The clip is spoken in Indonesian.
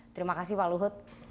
terima kasih pak luhut